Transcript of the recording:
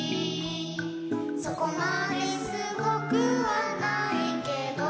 「そこまですごくはないけど」